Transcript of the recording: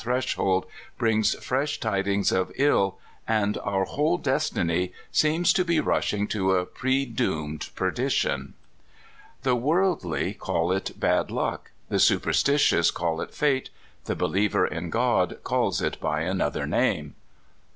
threshold brings fresh tidings of ill, and our whole destiny seems to be rushing to a predoomed perdi tion. The worldly call it bad luck; the supersti tious call it fate; the believer in God calls it by another name.